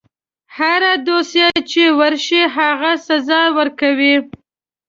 هره دوسیه چې ورشي هغه سزا ورکوي.